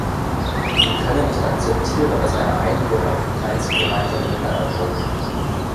Wir können nicht akzeptieren, dass eine Einigung auf dem kleinsten gemeinsamen Nenner erfolgt.